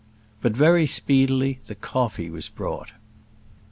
But very speedily the coffee was brought.